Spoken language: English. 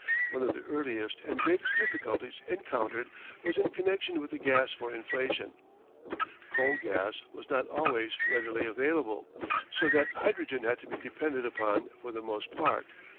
One of the earliest and greatest difficulties encountered was in connection with the gas for inflation. Coal gas was not always readily available, so that hydrogen had to be depended upon for the most part.